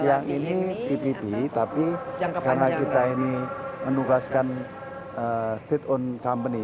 yang ini ppp tapi karena kita ini menugaskan state on company